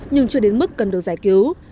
nhưng chưa đến mức cần được giải cứu